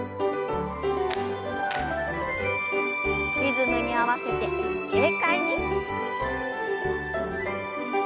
リズムに合わせて軽快に。